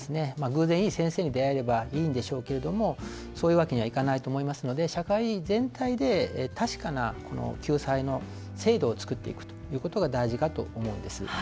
偶然、いい先生に出会えればいいんでしょうけどもそういうわけにはいかないと思いますので、社会全体で確かな救済の制度を作っていくということが大事かと思うんです。